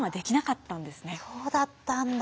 そうだったんだ。